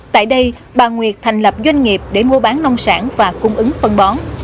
tại đây bà nguyệt thành lập doanh nghiệp để mua bán nông sản và cung ứng phân bón